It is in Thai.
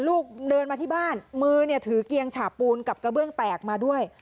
ลูกเดินมาที่บ้านมือเนี่ยถือเกียงฉาปูนกับกระเบื้องแตกมาด้วย